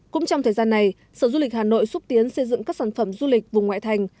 cũng trong thời gian này sở du lịch hà nội xúc tiến xây dựng các sản phẩm du lịch vùng ngoại thành